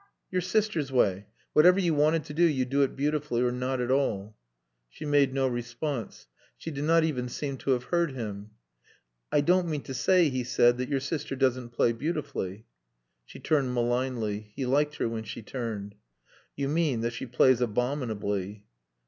"Your sister's way. Whatever you wanted to do you'd do it beautifully or not at all." She made no response. She did not even seem to have heard him. "I don't mean to say," he said, "that your sister doesn't play beautifully." She turned malignly. He liked her when she turned. "You mean that she plays abominably."